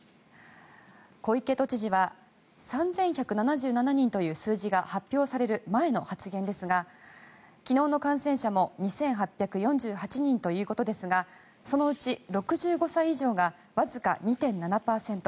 小池都知事は３１７７人という数字が発表される前の発言ですが昨日の感染者も２８４８人ということですがそのうち６５歳以上がわずか２．７％。